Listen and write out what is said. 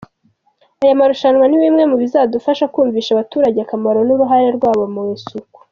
Aya marushanwa ni bimwe mu bizadufasha kumvisha abaturage akamaro n’uruhare rwabo mu isuku.